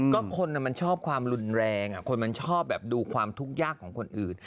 ก็คนมันชอบความรุนแรงคนมันชอบแบบดูความทุกข์ยากของคนอื่น